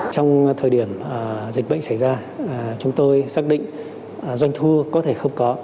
trong thời điểm dịch bệnh xảy ra chúng tôi xác định doanh thu có thể không có